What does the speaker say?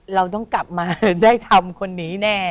เราต้องกลับมาได้ทำคนนี้แน่